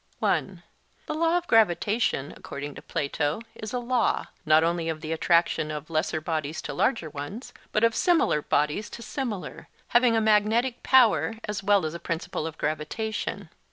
(1) The law of gravitation, according to Plato, is a law, not only of the attraction of lesser bodies to larger ones, but of similar bodies to similar, having a magnetic power as well as a principle of gravitation.